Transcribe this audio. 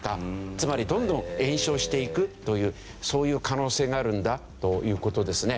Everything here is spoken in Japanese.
つまりどんどん延焼していくというそういう可能性があるんだという事ですね。